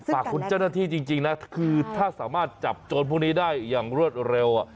ฝากคุณเจ้าหน้าที่จริงนะคือถ้าสามารถจับโจรพวกนี้ได้อย่างรวดเร็ว